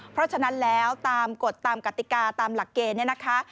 เพราะฉะนั้นแล้วตามกฎตามกติกาตามหลักเกณฑ์เนี่ยนะคะ